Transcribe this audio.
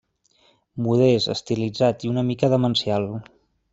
Modest, estilitzat i una mica demencial.